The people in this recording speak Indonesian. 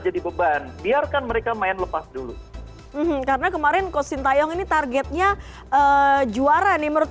jadi beban biarkan mereka main lepas dulu karena kemarin kocintayong ini targetnya juara nih menurut